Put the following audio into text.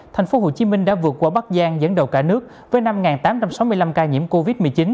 thành phố hồ chí minh đã vượt qua bắc giang dẫn đầu cả nước với năm tám trăm sáu mươi năm ca nhiễm covid một mươi chín